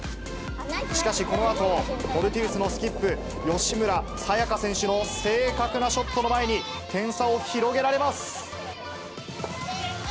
しかし、このあと、フォルティウスのスキップ、吉村紗也香選手の正確なショットの前に、点差を広げられます。